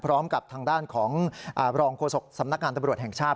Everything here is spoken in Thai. พร้อมกับทางด้านของรองโฆษกสำนักงานตำรวจแห่งชาติ